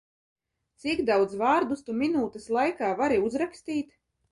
Cik daudz vārdus tu minūtes laikā vari uzrakstīt?